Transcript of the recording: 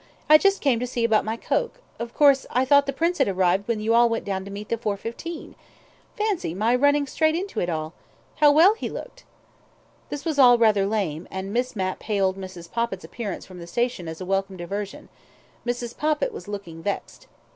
I just came to see about my coke: of course I thought the Prince had arrived when you all went down to meet the 4.15. Fancy my running straight into it all! How well he looked." This was all rather lame, and Miss Mapp hailed Mrs. Poppit's appearance from the station as a welcome diversion. ... Mrs. Poppit was looking vexed.